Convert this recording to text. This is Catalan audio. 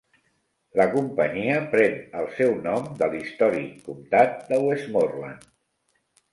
La companyia pren el seu nom de l'històric comtat de Westmorland.